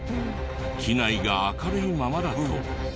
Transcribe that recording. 機内が明るいままだと。